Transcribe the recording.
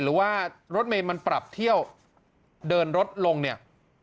หรือว่ารถเมย์มันปรับเที่ยวเดินรถลงเนี่ย